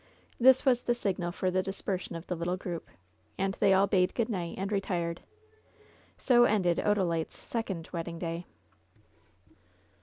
This was the signal for the dispersion of the little group. And they all bade good night and retired So ended Odalite's second wedding day.